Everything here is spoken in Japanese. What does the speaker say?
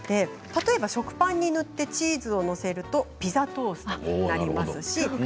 例えば、食パンに塗ってチーズを載せるとピザトーストになります。